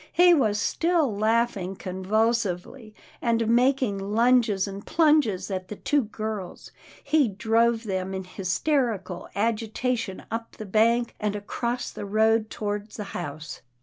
He was still laughing con vulsively, and, making lunges and plunges at the two girls, he drove them in hysterical agitation up the bank, and across the road toward the house.